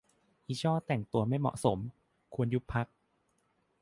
อีช่อแต่งตัวไม่เหมาะสม - ควรยุบพรรค